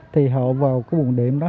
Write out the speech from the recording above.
thì họ vào cái buồng đệm đó họ sẽ